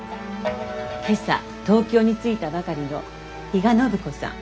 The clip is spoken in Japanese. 今朝東京に着いたばかりの比嘉暢子さん。